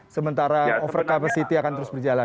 sementara overcapacity akan terus berjalan